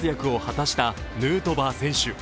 今大会、大活躍を果たしたヌートバー選手。